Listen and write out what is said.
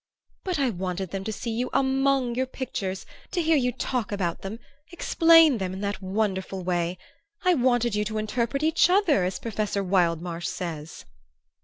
"But I wanted them to see you among your pictures to hear you talk about them, explain them in that wonderful way. I wanted you to interpret each other, as Professor Wildmarsh says!"